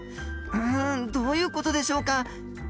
うんどういう事でしょうか？